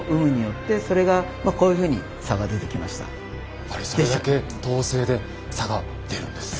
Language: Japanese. やっぱりそれだけ統制で差が出るんですね。